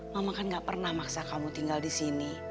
mama kan gak pernah maksa kamu tinggal disini